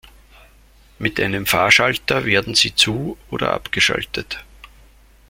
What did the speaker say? Mit einem Fahrschalter werden sie zu- oder abgeschaltet.